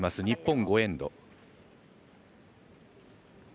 日本、５エンド。